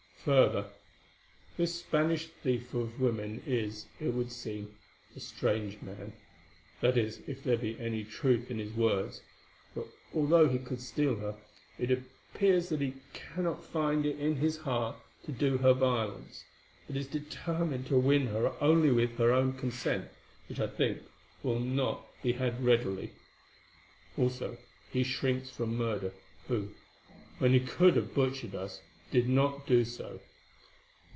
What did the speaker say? Further, this Spanish thief of women is, it would seem, a strange man, that is, if there be any truth in his words, for although he could steal her, it appears that he cannot find it in his heart to do her violence, but is determined to win her only with her own consent, which I think will not be had readily. Also, he shrinks from murder, who, when he could have butchered us, did not do so."